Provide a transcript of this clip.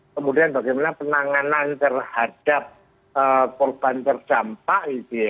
kemudian bagaimana penanganan terhadap korban terdampak